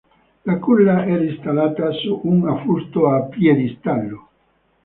La culla era installata su un affusto a piedistallo.